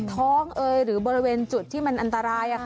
ท้องบริเวณจุดที่มันอันตราย